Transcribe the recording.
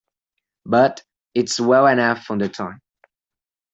But it's well enough for the time.